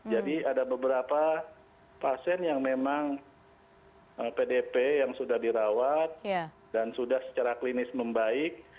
jadi ada beberapa pasien yang memang pdp yang sudah dirawat dan sudah secara klinis membaik